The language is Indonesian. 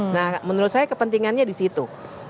nah menurut saya kepentingannya di situ